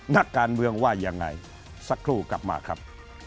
นักการเมืองว่ายังไงสักครู่กลับมาครับ